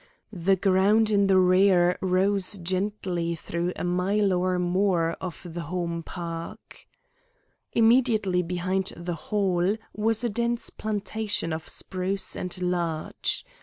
The ground in the rear rose gently through a mile or more of the home park. Immediately behind the Hall was a dense plantation of spruce and larch.